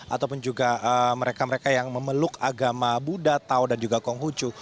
ataupun juga mereka mereka yang memeluk agama buddha tau dan juga konghucu